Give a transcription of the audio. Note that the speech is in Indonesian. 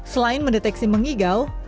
selain mendeteksi mengigau